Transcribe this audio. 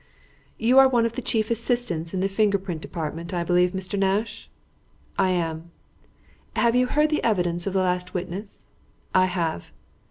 "You are one of the chief assistants in the Finger print Department, I believe, Mr. Nash?" "I am." "Have you heard the evidence of the last witness?" "I have."